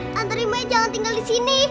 tante rima jangan tinggal di sini